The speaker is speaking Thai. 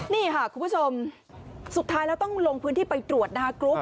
นี่ค่ะคุณผู้ชมสุดท้ายแล้วต้องลงพื้นที่ไปตรวจนะคะกรุ๊ป